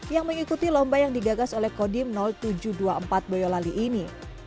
yang mengikuti lomba yang digagas oleh kodim tujuh ratus dua puluh empat boyolali ini